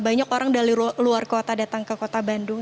banyak orang dari luar kota datang ke kota bandung